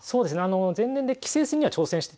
前年で棋聖戦には挑戦してて。